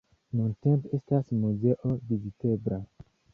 Nuntempe estas muzeo vizitebla.